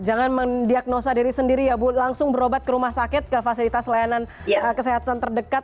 jangan mendiagnosa diri sendiri ya bu langsung berobat ke rumah sakit ke fasilitas layanan kesehatan terdekat